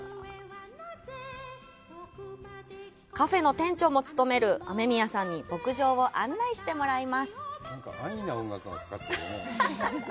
カフェの店長も務める雨宮さんに牧場を案内してもらいます。